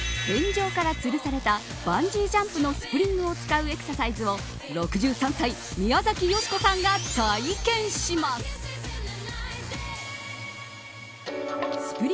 天井からつるされたバンジージャンプのスプリングを使ったエクササイズを６３歳、宮崎美子さんが体験します。